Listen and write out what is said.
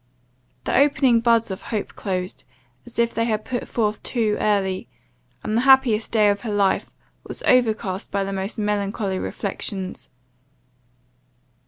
The opening buds of hope closed, as if they had put forth too early, and the the happiest day of her life was overcast by the most melancholy reflections.